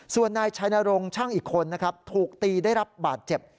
ส่วนนายชายนโรงช่างอีกคนถูกตีได้รับบาดเจ็บ